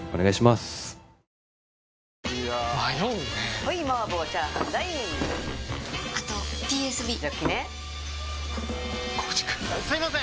すいません！